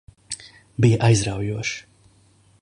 Bija aizraujoši.